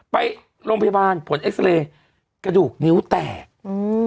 ไปโรงพยาบาลผลเอ็กซาเรย์กระดูกนิ้วแตกอืม